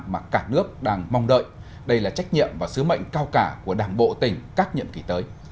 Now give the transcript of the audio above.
mà cả nước đang mong đợi đây là trách nhiệm và sứ mệnh cao cả của đảng bộ tỉnh các nhiệm kỳ tới